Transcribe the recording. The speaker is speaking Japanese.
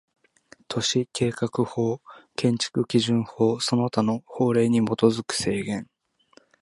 都市計画法、建築基準法その他の法令に基づく制限